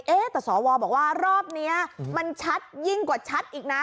แต่สวบอกว่ารอบนี้มันชัดยิ่งกว่าชัดอีกนะ